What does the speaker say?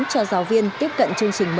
cho giáo viên tiếp cận chương trình mới